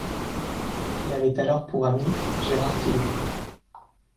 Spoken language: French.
Il avait alors pour ami Gérard Philipe.